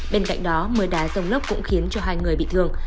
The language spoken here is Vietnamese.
bên cạnh đó mưa đá rông lốc cũng khiến cho hai người bị thương